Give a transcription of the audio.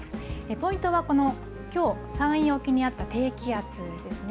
ポイントはこの、きょう山陰沖にあった低気圧ですね。